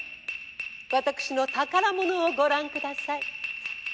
私の宝物をご覧ください。